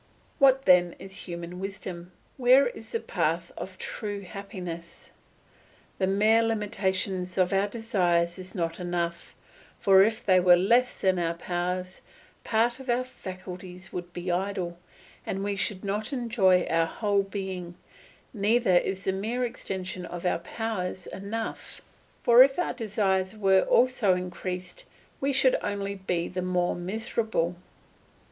What then is human wisdom? Where is the path of true happiness? The mere limitation of our desires is not enough, for if they were less than our powers, part of our faculties would be idle, and we should not enjoy our whole being; neither is the mere extension of our powers enough, for if our desires were also increased we should only be the more miserable.